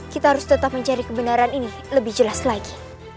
kita harus tetap mencari kebenaran ini lebih jelas lagi